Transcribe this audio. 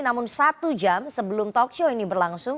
namun satu jam sebelum talkshow ini berlangsung